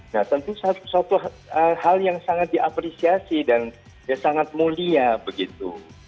nah tentu suatu hal yang sangat diapresiasi dan ya sangat mulia begitu